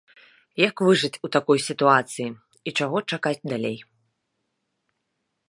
Як выжыць у такой сітуацыі і чаго чакаць далей?